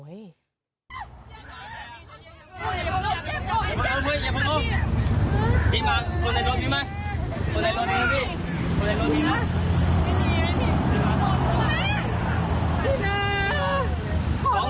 ยังไงฟะไอลูก